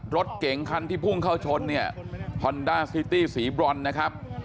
รถเก๋งคันที่พุ่งเข้าชนเนี่ยฮอนด้าซิตี้สีบรอนนะครับ